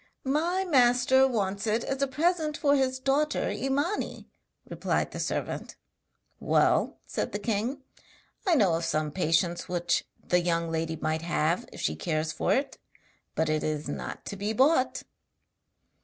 'My master wants it as a present for his daughter Imani,' replied the servant. 'Well,' said the king, 'I know of some patience which the young lady might have if she cares for it; but it is not to be bought.'